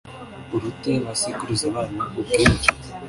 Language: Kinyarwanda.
urute ba sekuruza banyu ubwinshi